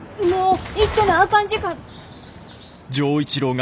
もう！